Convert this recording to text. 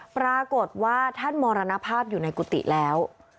ปรากฏว่าท่านมรณภาพอยู่ในกุฏิแล้ว